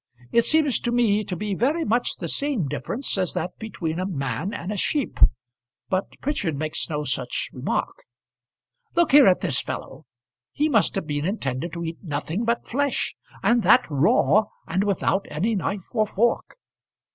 It seems to me to be very much the same difference as that between a man and a sheep, but Prichard makes no such remark. Look here at this fellow; he must have been intended to eat nothing but flesh; and that raw, and without any knife or fork."